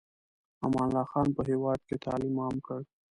امان الله خان په هېواد کې تعلیم عام کړ.